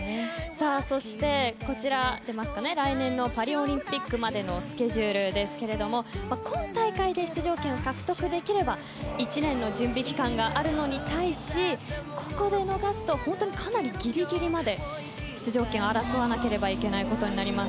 そして来年のパリオリンピックまでのスケジュールですが今大会で出場権を獲得できれば１年の準備期間があるのに対しここで逃がすと本当にギリギリまで出場権を争わないといけなくなります。